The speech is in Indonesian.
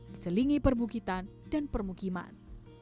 diselingi permukitan dan permukiman